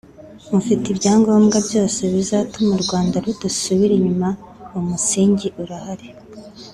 mufite ibyangobwa byose bizatuma u Rwanda rudasubira inyuma uwo musingi urahari